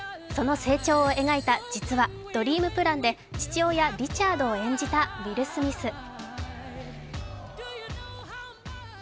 その成長を描いた実話「ドリーム・プラン」で父親・リチャードを演じたウィル・スミス。